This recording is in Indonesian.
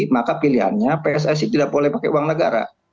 maka pilihannya pssi tidak boleh pakai uang negara